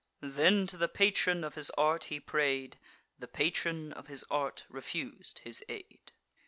Then to the patron of his art he pray'd: The patron of his art refus'd his aid.